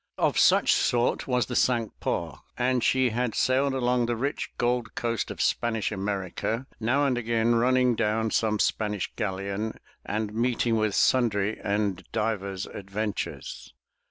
Of such sort was the Cinque Ports, and she had sailed along the rich gold coast of Spanish America, now and again running down some Spanish galleon, and meeting with sundry and divers adventures.